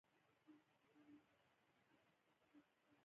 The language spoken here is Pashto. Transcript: هغه لیکي: د غرونو خلکو وسله نه درلوده،